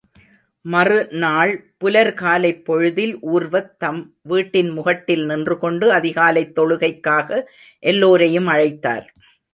மறு நாள் புலர்காலைப் பொழுதில் உர்வத், தம் வீட்டின் முகட்டில் நின்று கொண்டு அதிகாலைத் தொழுகைக்காக எல்லோரையும் அழைத்தார்.